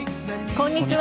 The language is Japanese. こんにちは。